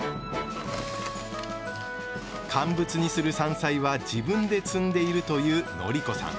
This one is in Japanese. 乾物にする山菜は自分で摘んでいるというのり子さん。